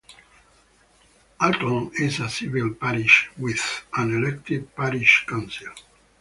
Alton is a civil parish with an elected parish council.